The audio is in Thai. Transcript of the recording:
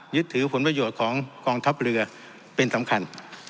ยึดถือผลประโยชน์ของกองทัพเรือเป็นสำคัญ